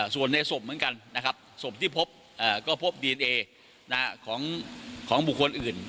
ส่วนในศพเหมือนกันนะครับศพที่พบก็พบดีเอนเอของบุคคลอื่น